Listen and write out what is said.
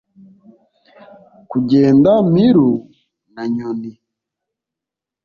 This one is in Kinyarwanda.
kugenda mpiru na nyoni